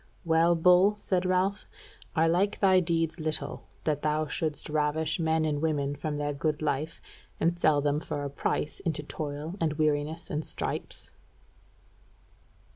"Well, Bull," said Ralph, "I like thy deeds little, that thou shouldest ravish men and women from their good life, and sell them for a price into toil and weariness and stripes."